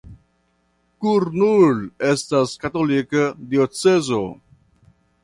Kurnul estas katolika diocezo.